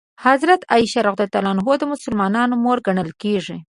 حضرت عایشه رض د مسلمانانو مور ګڼل کېږي.